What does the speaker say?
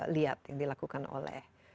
lihat yang dilakukan oleh